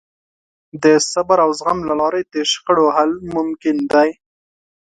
د صبر او زغم له لارې د شخړو حل ممکن دی.